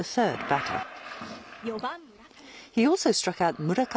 ４番村上。